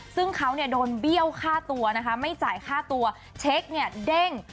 ซึ่งเขาเนี่ยโดนเบี้ยวค่าตัวนะคะไม่จ่ายค่าตัวเช็คเนี่ยเด้ง